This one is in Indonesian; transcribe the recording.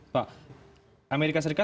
pak amerika serikat kan